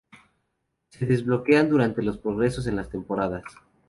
Se desbloquean durante los progresos en las temporadas.